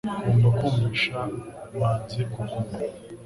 Ugomba kumvisha manzi kuguma